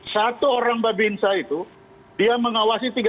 satu orang babinsa itu dia mengawasi tiga